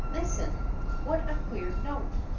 Listen ; wliat a queer note."